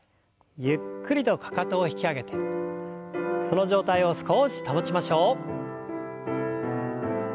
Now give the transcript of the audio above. ゆっくりとかかとを引き上げてその状態を少し保ちましょう。